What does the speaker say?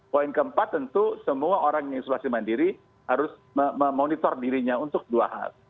poin keempat tentu semua orang yang isolasi mandiri harus memonitor dirinya untuk dua hal